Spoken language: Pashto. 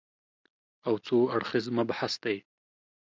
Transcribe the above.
او څو اړخیز مبحث دی